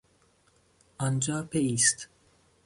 آنجا بایست.